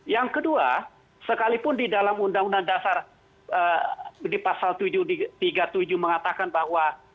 yang kedua sekalipun di dalam undang undang dasar di pasal tiga puluh tujuh mengatakan bahwa